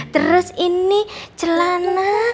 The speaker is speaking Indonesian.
terus ini celana